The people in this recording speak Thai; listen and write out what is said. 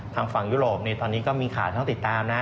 ทางฝั่งยุโรปตอนนี้ก็มีข่าวต้องติดตามนะ